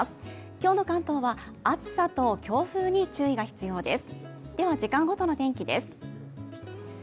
今日の関東は暑さと強風に注意が必要です。